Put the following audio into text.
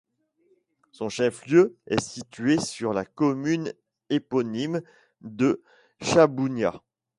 Son chef-lieu est situé sur la commune éponyme de Chahbounia.